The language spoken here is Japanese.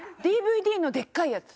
ＤＶＤのでっかいやつ